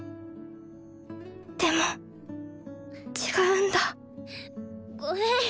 でも違うんだごめん。